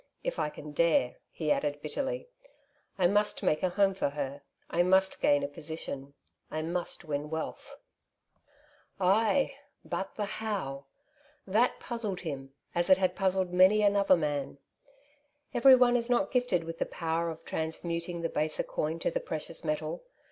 K I can dare,'' he added bitterly, '' I must make a home for her — I must gain a position, I must win wealth." \ Castles in tJie Air. 29 Ay ! but the Iww ?— that puzzled him, as it had puzzled many another man. Every one is not gifted with the power of transmuting the baser coin to the precious metal.